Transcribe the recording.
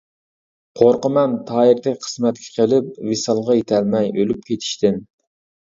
قورقىمەن تاھىردەك قىسمەتكە قېلىپ، ۋىسالغا يىتەلمەي ئۆلۈپ كېتىشتىن.